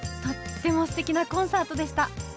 とってもすてきなコンサートでした！